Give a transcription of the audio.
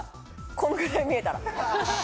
このぐらい見えたら。